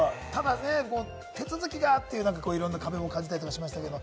ただね、手続きがっていういろんな壁も感じたりしましたけど。